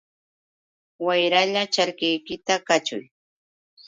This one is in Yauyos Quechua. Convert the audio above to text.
Wayralla charkiykita kaćhuy.